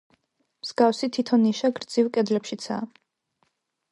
მსგავსი თითო ნიშა გრძივ კედლებშიცაა.